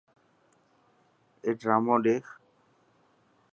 اي ڊرامون ڏيک.